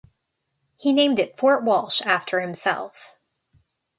He named it Fort Walsh after himself.